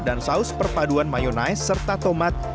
saus perpaduan mayonaise serta tomat